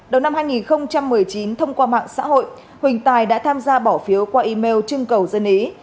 đầu năm hai nghìn một mươi chín thông qua mạng xã hội huỳnh tài đã tham gia bỏ phiếu qua email trưng cầu dân ý